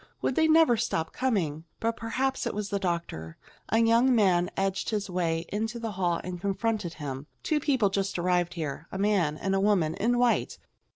Would they never stop coming! But perhaps it was the doctor. A young man edged his way into the hall and confronted him. "Two people just arrived here. A man and a woman in white.